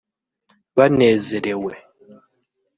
banezerewe